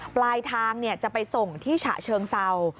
ปลายทางจะไปส่งที่ฉะเชิงเศร้า